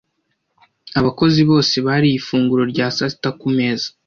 Abakozi bose bariye ifunguro rya saa sita ku meza